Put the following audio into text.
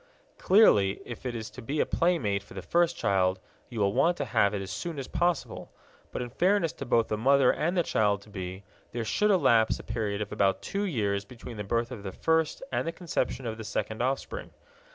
Clearly, if it is to be a playmate for the first child, you will want to have it as soon as possible. But, in fairness to both the mother and the child to be, there should elapse a period of about two years between the birth of the first and the conception of the second offspring.